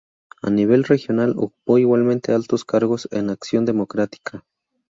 A nivel regional ocupó igualmente altos cargos en Acción Democrática.